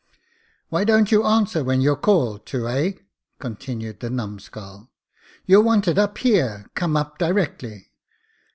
"Why don't you answer when you're called to, heh ?" continued the numscull. " You're wanted up here ! come up directly."